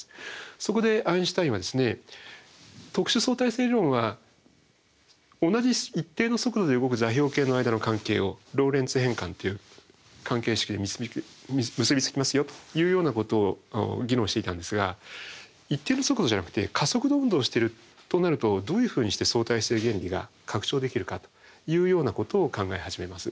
そこでアインシュタインは特殊相対性理論は同じ一定の速度で動く座標系の間の関係をローレンツ変換っていう関係式で結び付きますよというようなことを議論していたんですが一定の速度じゃなくて加速度運動してるとなるとどういうふうにして相対性原理が拡張できるかというようなことを考え始めます。